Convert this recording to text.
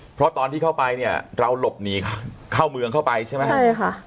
เพราะตอนที่เข้าไปเนี่ยเราหลบหนีเข้าเมืองเข้าไปใช่ไหมใช่ค่ะ